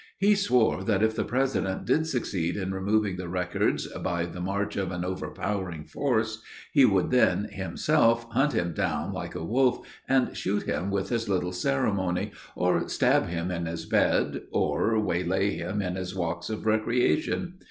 He swore that if the president did succeed in removing the records by the march of an overpowering force, he would then, himself, hunt him down like a wolf, and shoot him with as little ceremony, or stab him in his bed, or waylay him in his walks of recreation.